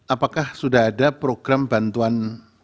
apakah sudah ada program bantuan